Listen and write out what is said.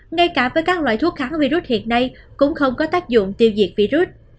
ngay cả với các loại thuốc kháng virus hiện nay cũng không có tác dụng tiêu diệt virus